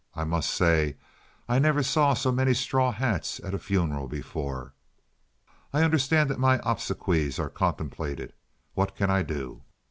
"I must say I never saw so many straw hats at a funeral before. I understand that my obsequies are contemplated. What can I do?"